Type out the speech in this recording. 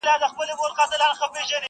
کلي ته ولاړم هر يو يار راڅخه مخ واړوئ.